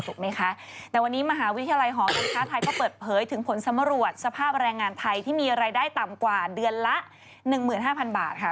ถูกไหมคะแต่วันนี้มหาวิทยาลัยหอการค้าไทยก็เปิดเผยถึงผลสำรวจสภาพแรงงานไทยที่มีรายได้ต่ำกว่าเดือนละ๑๕๐๐บาทค่ะ